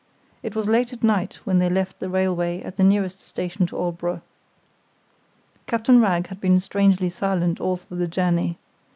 It was late at night when they left the railway at the nearest station to Aldborough. Captain Wragge had been strangely silent all through the journey.